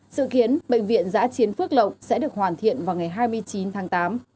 sự khiến bệnh viện giã chiến quốc lộc sẽ được hoàn thiện vào ngày hai mươi chín tháng tám